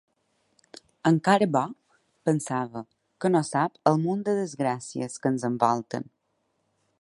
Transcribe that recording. Encara bo, pensava, que no sap el munt de desgràcies que ens envolten.